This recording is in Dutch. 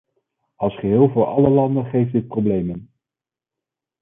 Als geheel voor alle landen geeft dit problemen.